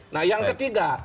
nah yang ketiga